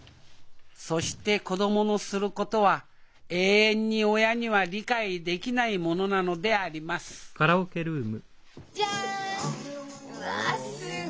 そして子供のすることは永遠に親には理解できないものなのでありますジャン！